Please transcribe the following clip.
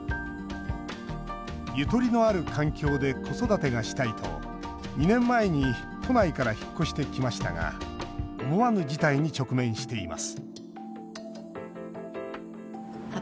ゆとりのある環境で子育てがしたいと、２年前に都内から引っ越してきましたが思わぬ事態に直面しています